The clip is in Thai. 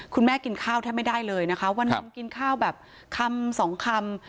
คุณแม่กินข้าวแทบไม่ได้เลยวันนั้นกินข้าวแบบคำ๒คำ